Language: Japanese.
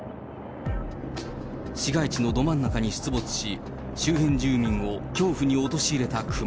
市街地のど真ん中に出没し、周辺住民を恐怖に陥れた熊。